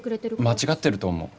間違ってると思う。